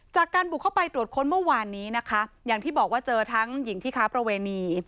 จากการบุกเข้าไปตรวจค้นเมื่อวานนี้นะคะอย่างที่บอกว่าเจอทั้งหญิงที่ค้าประเวณี